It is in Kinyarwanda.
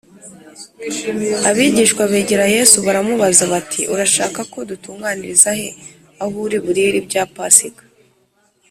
abigishwa begera Yesu baramubaza bati “Urashaka ko dutunganiriza he aho uri burire ibya Pasika?”